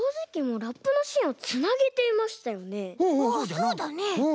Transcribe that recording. そうだね。